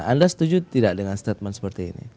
anda setuju tidak dengan statement seperti ini